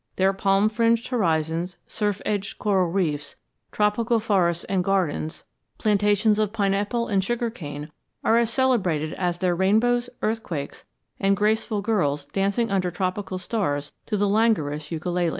Their palm fringed horizons, surf edged coral reefs, tropical forests and gardens, plantations of pineapple and sugar cane are as celebrated as their rainbows, earthquakes, and graceful girls dancing under tropical stars to the languorous ukelele.